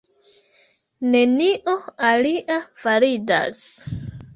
Nenio alia validas.